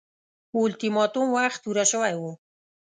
اولتیماتوم وخت پوره شوی وو.